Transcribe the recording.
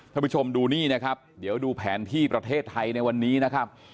ท่านผู้ชมดูนี่นะครับเดี๋ยวดูแผนที่ประเทศไทยในวันนี้นะครับ